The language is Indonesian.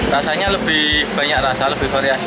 rasanya lebih banyak rasa lebih variasi